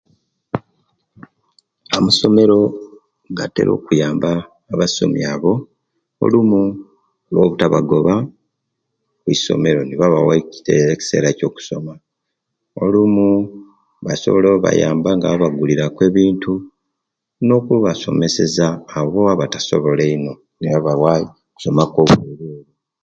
Amasomero gatira okuyamba abasomi abo, olumu lwobutabagoba, okwisomero nibabawa ekiseera ekyokusoma olumu, basobola okubayamba nga babaguliraku ebintu nokubasomeseza abo babatibasobola eino nebabawa okusoma kwobwerere